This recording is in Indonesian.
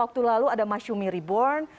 waktu lalu ada masyumi reborn